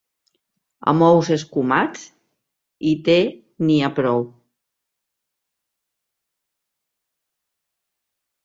Amb ous escumats i te n'hi ha prou.